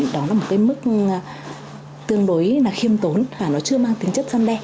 đó là một mức tương đối khiêm tốn và nó chưa mang tính chất gian đe